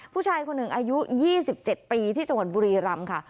ผู้ชายคนหนึ่งอายุ๒๗ปีที่จังหวัดบุรีรำค่ะ